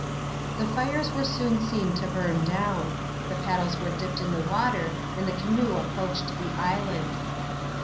The fires were soon seen to burn down. The paddles were dipped in the water and the canoe approached the island.